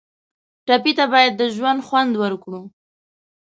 ټپي ته باید د ژوند خوند ورکړو.